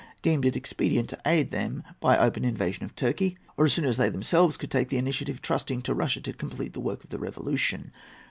deemed it expedient to aid them by open invasion of Turkey, or as soon as they themselves could take the initiative, trusting to Russia to complete the work of revolution.